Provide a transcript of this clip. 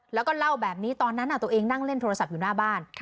แล้วก็เล่าแบบนี้ตอนนั้นตัวเองนั่งเล่นโทรศัพท์อยู่หน้าบ้าน